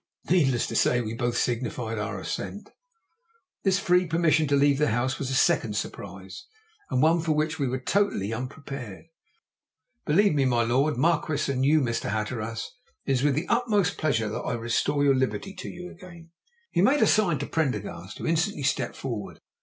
Needless to say we both signified our assent. This free permission to leave the house was a second surprise, and one for which we were totally unprepared. "Then let it be so. Believe me, my lord Marquis, and you, Mr. Hatteras, it is with the utmost pleasure I restore your liberty to you again!" He made a sign to Prendergast, who instantly stepped forward.